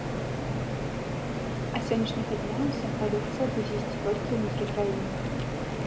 А з сённяшняга дня ўся прадукцыя будзе ісці толькі ўнутры краіны.